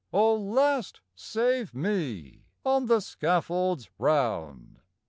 III O last save me on the scaffold's round!